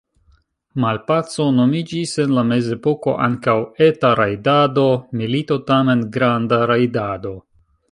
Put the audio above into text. Malpaco nomiĝis en la mezepoko ankaŭ „eta rajdado“, milito tamen „granda rajdado“.